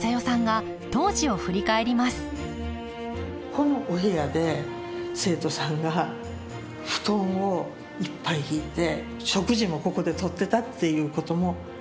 このお部屋で生徒さんが布団をいっぱい敷いて食事もここでとってたっていうこともあります。